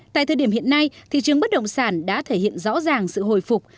tại thời điểm hiện nay thị trường bất động sản đã thể hiện rõ ràng sự hồi phục